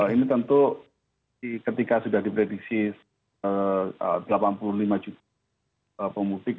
ini tentu ketika sudah diprediksi delapan puluh lima juta pemudik